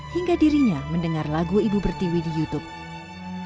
hingga dirinya mendengar lagu ibu pertiwi di youtube